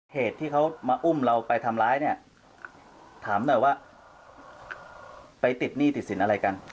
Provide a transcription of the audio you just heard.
เหตุที่เขามาอุ้มเราไปทำร้ายเนี่ยถามหน่อยว่าไปติดหนี้ติดสินอะไรกัน